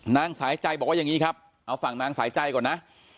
นางสายใจบอกว่าอย่างนี้ครับเอาฝั่งนางสายใจก่อนนะ